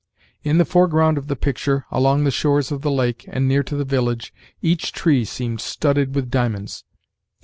In the foreground of the picture, along the shores of the lake, and near to the village, each tree seemed studded with diamonds.